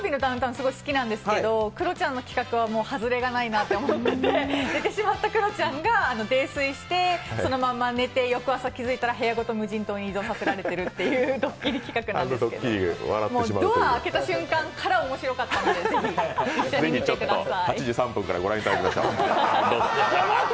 すごい好きなんですけど、クロちゃんの企画は外れがないなって思ってて、寝てしまったクロちゃんが泥酔してそのまま翌朝気づいたら部屋ごと無人島に移動させられているという、ドッキリ企画なんですけど、ドア開けた瞬間から面白かったので是非、一緒に見てください。